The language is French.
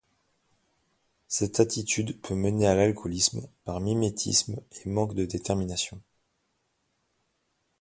Cette attitude peut mener à l'alcoolisme par mimétisme et manque de détermination.